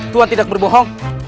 tuhan tidak berbohong